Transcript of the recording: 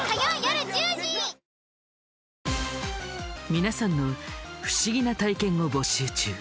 皆さんの不思議な体験を募集中。